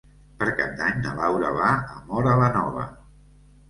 Per Cap d'Any na Laura va a Móra la Nova.